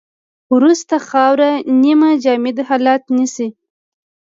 وروسته خاوره نیمه جامد حالت نیسي